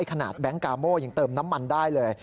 แบงค์กาโม่ยังเติมน้ำมันได้เลย